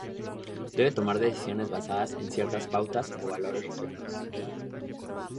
Debe tomar decisiones basadas en ciertas pautas o valores requeridos.